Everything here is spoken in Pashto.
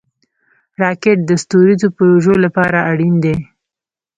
راکټ د ستوریزو پروژو لپاره اړین دی